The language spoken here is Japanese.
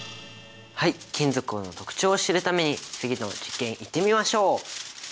はい金属の特徴を知るために次の実験いってみましょう！